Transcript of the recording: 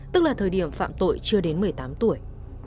tức là thời điểm phạm tội chưa đến một mươi tám tuổi